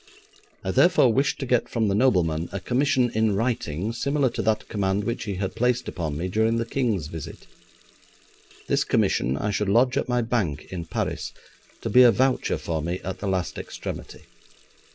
I therefore wished to get from the nobleman a commission in writing, similar to that command which he had placed upon me during the King's visit. This commission I should lodge at my bank in Paris, to be a voucher for me at the last extremity.